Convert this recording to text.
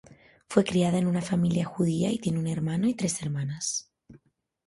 Fue criada en una familia Judía y tiene un hermano y tres hermanas.